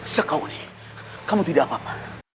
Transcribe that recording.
sekau ini kamu tidak apa apa